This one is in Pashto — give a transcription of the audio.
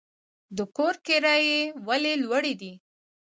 د کور کرایې ولې لوړې دي؟